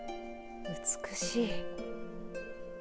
美しい。